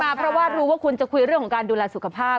เพราะว่ารู้ว่าคุณจะคุยเรื่องของการดูแลสุขภาพ